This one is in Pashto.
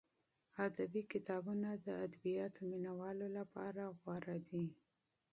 ادبي کتابونه د ادبیاتو مینه والو لپاره غوره دي.